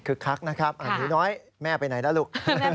คึกคักนะครับน้อยแม่ไปไหนล่ะลูก